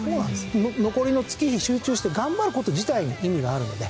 残りの月日集中して頑張る事自体に意味があるので。